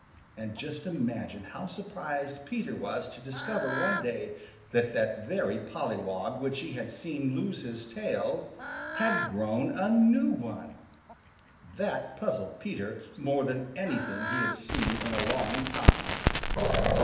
And just imagine how surprised Peter was to discover one day that that very pollywog which he had seen lose his tail had grown a new one. That puzzled Peter more than anything he had seen in a long time.